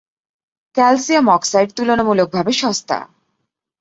Calcium oxide তুলনামূলকভাবে সস্তা।